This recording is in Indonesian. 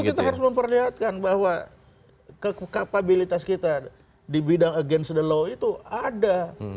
kita harus memperlihatkan bahwa kapabilitas kita di bidang against the law itu ada